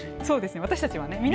そうですね、私たちはね。